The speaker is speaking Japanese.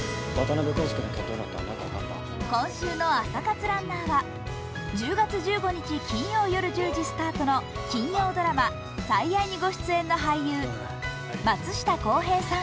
今週の朝活ランナーは１０月１５日金曜夜１０時スタートの金曜ドラマ「最愛」にご出演の俳優、松下洸平さん。